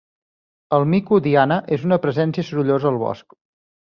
El mico Diana és una presència sorollosa al bosc.